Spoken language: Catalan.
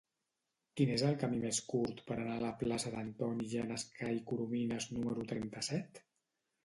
Quin és el camí més curt per anar a la plaça d'Antoni Genescà i Corominas número trenta-set?